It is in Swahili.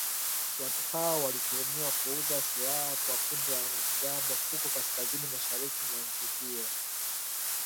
Watu hao walituhumiwa kuuza silaha kwa kundi la wanamgambo huko kaskazini mashariki mwa nchi hiyo